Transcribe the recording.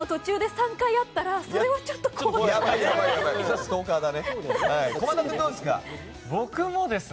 帰り道の途中で３回会ったらそれはちょっと怖いです。